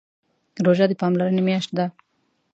روژه د پاملرنې میاشت ده.